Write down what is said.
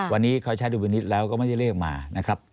วันนี้เขาใช้ดุวินิตแล้วก็ไม่ได้เรียกมานะครับ